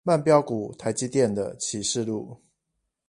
慢飆股台積電的啟示錄